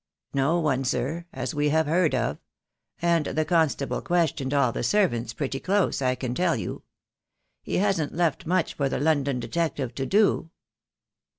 "No one, sir, as we have heard of; and the constable questioned all the servants, pretty close, I can tell you. He hasn't left much for the London detective to do."